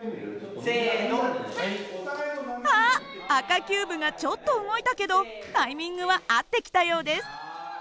あっ赤キューブがちょっと動いたけどタイミングは合ってきたようです。